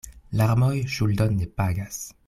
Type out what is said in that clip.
Larmoj ŝuldon ne pagas.